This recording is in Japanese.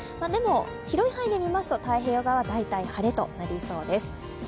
でも、広い範囲で見ますと太平洋側は大体晴れとなりそうです。